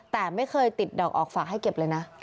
แต่ไม่เคยติดดอกออกฝากให้เก็บเลยนะ